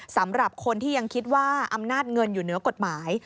สำหรับคนที่ยังคิดว่าอำนาจเงินอยู่เหนือกฎหมาย